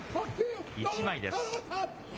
一枚です。